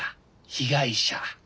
被害者。